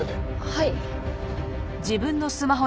はい。